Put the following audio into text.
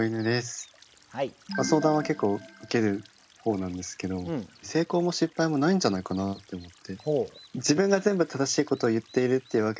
相談は結構受ける方なんですけど成功も失敗もないんじゃないかなと思って。